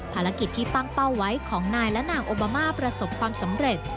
ภารกิจที่ตั้งเป้าไว้ของนายและนางโอบามาประสบความสำเร็จ